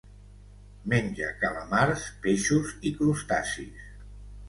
Menja calamars, peixos i crustacis.